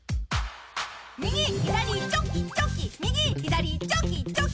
右左チョキチョキ右左チョキチョキ。